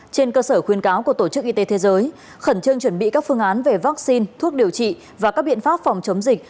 trên cơ sở khuyên cáo của tổ chức y tế thế giới khẩn trương chuẩn bị các phương án về vaccine thuốc điều trị và các biện pháp phòng chống dịch